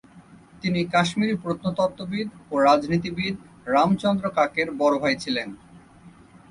তিনি কাশ্মীরি প্রত্নতত্ত্ববিদ ও রাজনীতিবিদ রাম চন্দ্র কাকের বড় ভাই ছিলেন।